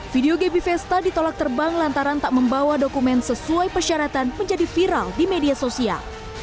video gebi vesta ditolak terbang lantaran tak membawa dokumen sesuai persyaratan menjadi viral di media sosial